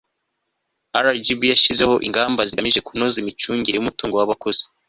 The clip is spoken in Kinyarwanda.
rgb yashyizeho ingamba zigamije kunoza imicungire y'umutungo n'abakozi